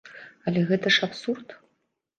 Але гэта ж абсурд.